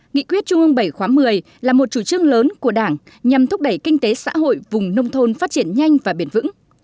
nghị quyết trung ương bảy khóa một mươi là một chủ trương lớn của đảng nhằm thúc đẩy kinh tế xã hội vùng nông thôn phát triển nhanh và bền vững